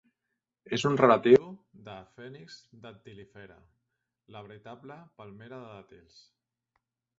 És un relatiu de "Phoenix dactylifera", la veritable palmera de dàtils.